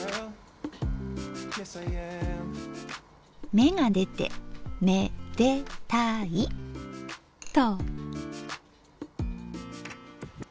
芽が出て「め・で・た・い」と。